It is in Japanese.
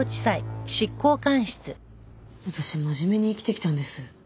私真面目に生きてきたんです。